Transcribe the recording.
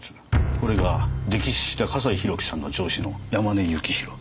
これが溺死した笠井宏樹さんの上司の山根幸博。